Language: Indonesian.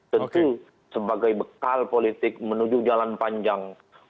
tentu sebagai bekal politik menuju jalan panjang dua ribu dua puluh empat